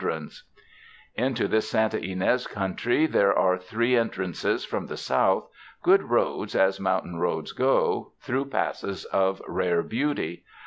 168 THE FRANCISCAN MISSIONS Into tliis Santa Yncz country there are three en trances from the south, good roads, as mountain roads go, through passes of rare l)eauty.